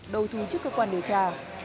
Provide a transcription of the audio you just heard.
đầu thú trước cơ quan điều tra